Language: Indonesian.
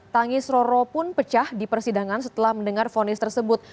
tangis roro pun pecah di persidangan setelah mendengar fonis tersebut